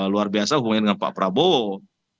luar biasa hubungannya dengan pak prabowo